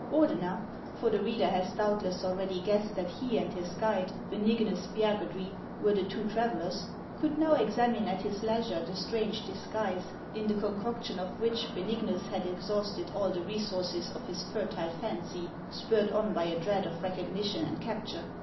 Ordener — for the reader has doubtless already guessed that he and his guide, Benignus Spiagudry, were the two travellers — could now examine at his leisure the strange disguise, in the concoction of which Benignus had ex hausted all the resources of his fertile fancy, spurred on by a dread of recognition and capture.